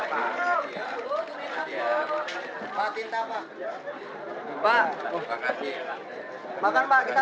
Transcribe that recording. pak makan dimana pak